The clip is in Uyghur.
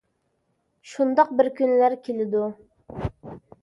شۇنداق بىر كۈنلەر كېلىدۇ.